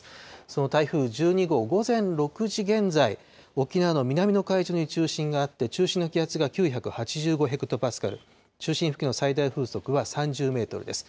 その台風１２号、午前６時現在、沖縄の南の海上に中心があって、中心の気圧が９８５ヘクトパスカル、中心付近の最大風速は３０メートルです。